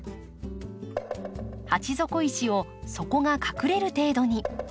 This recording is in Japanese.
鉢底石を底が隠れる程度に。